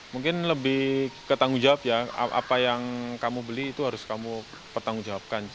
mungkin lebih ketangguh jawab ya apa yang kamu beli itu harus kamu bertanggung jawabkan